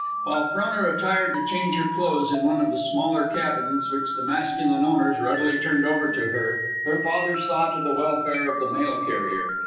While Frona retired to change her clothes in one of the smaller cabins, which the masculine owners readily turned over to her, her father saw to the welfare of the mail carrier.